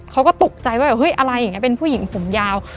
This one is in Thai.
เขาก็ตกใจว่าเฮ้ยอะไรอย่างนี้เป็นผู้หญิงผมยาว